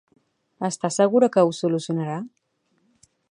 Està segura que ho solucionarà?